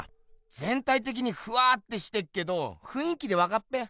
ぜんたいてきにふわってしてっけどふんい気でわかっぺ！